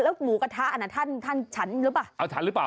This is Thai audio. หมูกระทะอันนั้นท่านท่านฉันหรือเปล่าเอาฉันหรือเปล่า